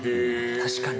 確かに。